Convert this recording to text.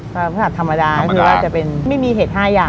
ดาวพฤหัสธรรมดาคือว่าจะเป็นไม่มีเหตุ๕อย่างค่ะ